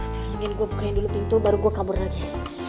janganin gue bukain dulu pintu baru gue kabur lagi